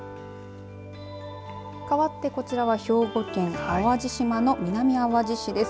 かわってこちらは兵庫県淡路島の南あわじ市です。